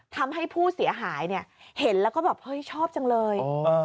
ทำให้ผู้เสียหายเนี่ยเห็นแล้วก็แบบเฮ้ยชอบจังเลย